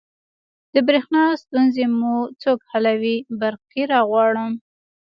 د بریښنا ستونزې مو څوک حلوی؟ برقي راغواړم